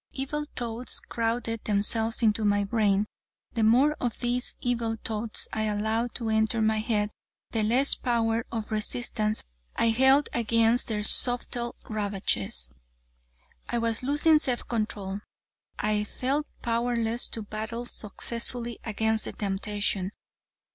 Evil thoughts crowded themselves into my brain. The more of these evil thoughts I allowed to enter my head the less power of resistance I held against their subtle ravages. I was losing self control. I felt powerless to battle successfully against the temptation.